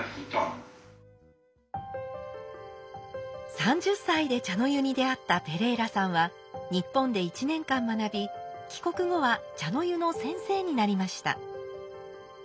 ３０歳で茶の湯に出会ったペレイラさんは日本で１年間学び帰国後は茶の湯の先生になりました。